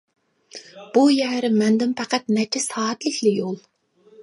بۇ يەر مەندىن پەقەت نەچچە سائەتلىكلا يول.